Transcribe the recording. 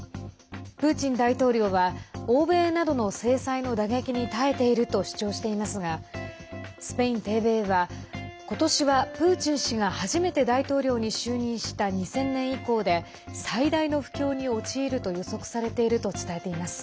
プーチン大統領は欧米などの制裁の打撃に耐えていると主張していますがスペインＴＶＥはことしはプーチン氏が初めて大統領に就任した２０００年以降で最大の不況に陥ると予測されていると伝えています。